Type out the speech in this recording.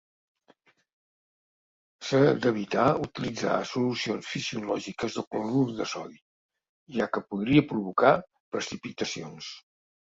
S’ha d’evitar utilitzar solucions fisiològiques de clorur de sodi, ja que podria provocar precipitacions.